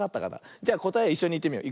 じゃこたえをいっしょにいってみよう。